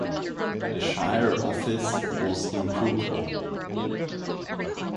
The shire office was in Crookwell.